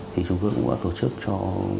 thì chúng tôi cũng đã tổ chức cho